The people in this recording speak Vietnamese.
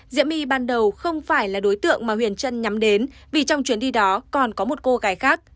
diễm my ban đầu không phải là đối tượng mà huyền trân nhắm đến vì trong chuyến đi đó còn có một cô gái khác